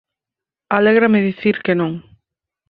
Alégrame dicir que non.